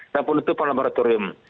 dan penutupan laboratorium